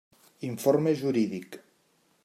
Informe jurídic.